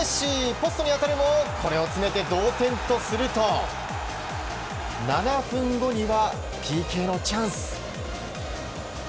ポストに当たるもこれを詰めて同点とすると７分後にはＰＫのチャンス。